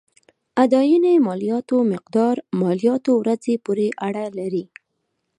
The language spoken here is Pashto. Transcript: اداينې مالياتو مقدار مالياتو ورځې پورې اړه لري.